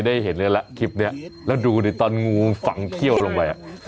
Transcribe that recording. ได้เห็นเลยล่ะคลิปนี้แล้วดูดิตอนงูฝังเขี้ยวลงไป